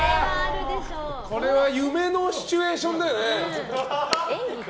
これは夢のシチュエーションだよね。